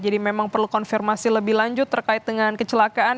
jadi memang perlu konfirmasi lebih lanjut terkait dengan kecelakaan